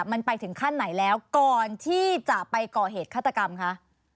มันไปถึงขั้นไหนแล้วก่อนที่จะไปก่อเหตุฆาตกรรมคะ